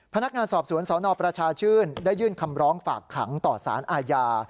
พนักงานสอบสวนสนประชาชื่นได้ยื่นคำร้องฝากขังต่อสารอาญา